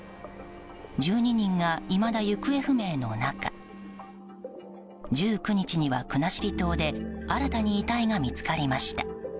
１２人がいまだ行方不明の中１９日には国後島で新たに遺体が見つかりました。